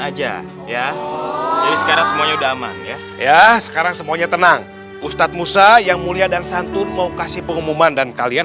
aja ya sekarang semuanya tenang ustadz musa yang mulia dan santun mau kasih pengumuman dan kalian